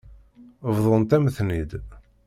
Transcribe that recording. Bḍant-am-ten-id.